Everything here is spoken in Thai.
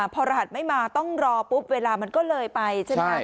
พอรหัสไม่มาต้องรอปุ๊บเวลามันก็เลยไปใช่ไหม